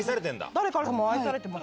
誰からも愛されてます。